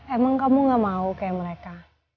emang kamu gak mau kayak mereka